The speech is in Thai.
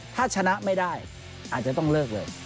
ถ้าชนะไม่ได้อาจจะต้องเลิกเลย